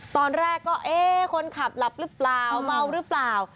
ตอนแรกก็เอ๊ะคนขับหลับหรือเปล่าเมาหรือเปล่า